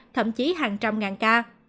thậm chí hàng trăm ngàn ca